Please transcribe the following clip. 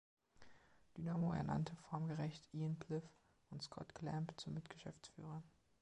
Dynamo ernannte formgerecht Ian Blyth und Scott Clamp zu Mitgeschäftsführern.